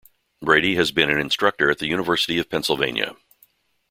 Brady has been an instructor at the University of Pennsylvania.